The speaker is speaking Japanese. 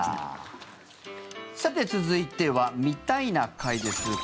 さて、続いては「観たいな会」です。